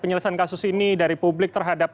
penyelesaian kasus ini dari publik terhadap